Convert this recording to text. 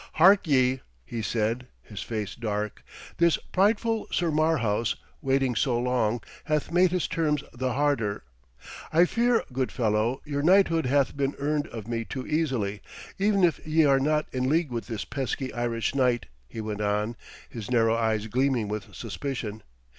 'Hark ye,' he said, his face dark, 'this prideful Sir Marhaus, waiting so long, hath made his terms the harder. I fear, good fellow, your knighthood hath been earned of me too easily, even if ye are not in league with this pesky Irish knight,' he went on, his narrow eyes gleaming with suspicion.